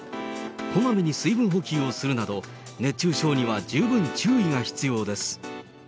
こまめに水分補給をするなど、熱中症には十分注意が必要です。